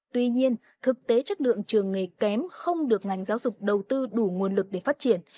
tuy nhiên thực tế chất lượng trường nghề kém không được ngành giáo dục đầu tư đủ nguồn lực để phát triển